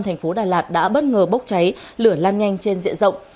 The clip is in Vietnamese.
thành phố đà lạt đã bất ngờ bốc cháy lửa lan nhanh trên diện rộng